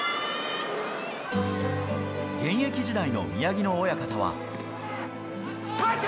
現役時代の宮城野親方は。